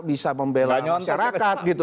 bisa membela masyarakat